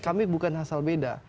jadi itu adalah hal yang asal beda